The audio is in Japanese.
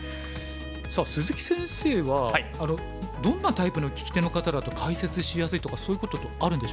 さあ鈴木先生はどんなタイプの聞き手の方だと解説しやすいとかそういうことあるんでしょうか？